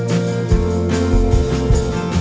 โปรดติดตามต่อไป